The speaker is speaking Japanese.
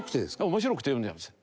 面白くて読んじゃいます。